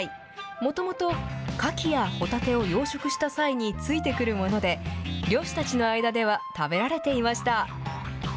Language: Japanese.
もともとカキやホタテを養殖した際に付いてくるもので、漁師たちの間では食べられていました。